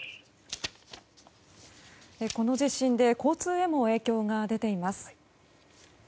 この地震で交通へも影響が出ています。